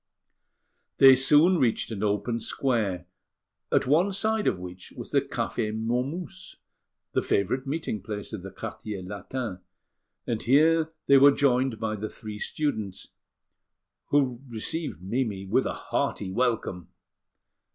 They soon reached an open square, at one side of which was the Café Momus, the favourite meeting place of the Quartier Latin; and here they were joined by the three students, who received Mimi with a hearty welcome.